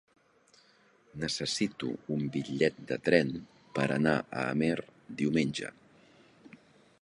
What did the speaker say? Necessito un bitllet de tren per anar a Amer diumenge.